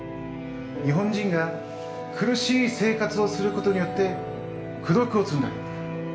日本人が苦しい生活をすることによって功徳を積んだ。